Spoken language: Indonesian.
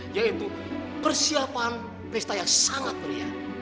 yaitu persiapan pesta yang sangat meriah